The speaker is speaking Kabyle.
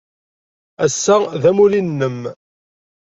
Ass-a d amulli-nnem.